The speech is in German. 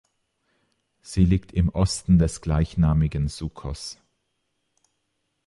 Sie liegt im Osten des gleichnamigen Sucos.